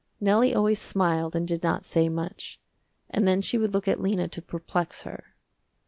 Nellie always smiled and did not say much, and then she would look at Lena to perplex her.